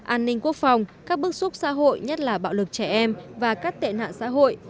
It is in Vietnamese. an ninh quốc phòng các bức xúc xã hội nhất là bạo lực trẻ em và các tệ nạn xã hội